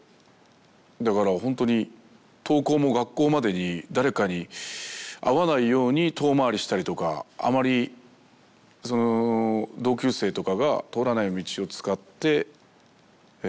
だからほんとに登校も学校までに誰かに会わないように遠回りしたりとかあまり同級生とかが通らない道を使って登校したりしてたんですけれども。